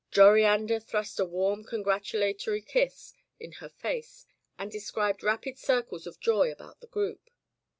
Jori ander thrust a warm congratulatory kiss in her face and described rapid circles of joy about the group.